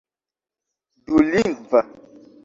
dulingva